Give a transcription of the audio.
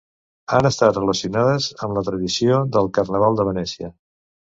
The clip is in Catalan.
Han estat relacionades amb la tradició del Carnaval de Venècia.